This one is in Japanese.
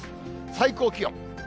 最高気温。